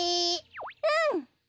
うん！